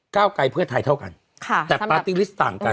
ก้าวไกลเพื่อไทยเท่ากันแต่ปาร์ติวิสต่างกัน